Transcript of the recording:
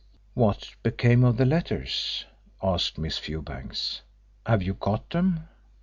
"What became of the letters?" asked Miss Fewbanks. "Have you got them?"